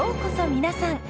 皆さん。